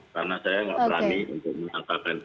karena saya enggak berani untuk menangkapkan itu